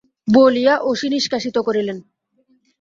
বলিয়া অসি নিষ্কাশিত করিলেন।